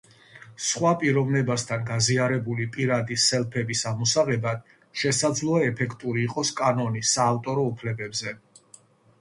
სხვა პიროვნებასთან გაზიარებული პირადი სელფების ამოსაღებად შესაძლოა, ეფექტური იყოს კანონი საავტორო უფლებებზე.